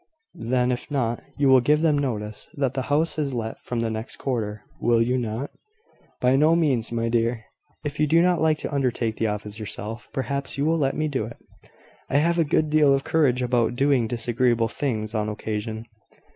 "Then, if not, you will give them notice that the house is let from the next quarter, will you not?" "By no means, my dear." "If you do not like to undertake the office yourself, perhaps you will let me do it. I have a good deal of courage about doing disagreeable things, on occasion."